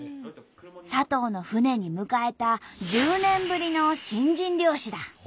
佐藤の船に迎えた１０年ぶりの新人漁師だ。